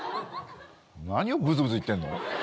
何をブツブツ言ってんの？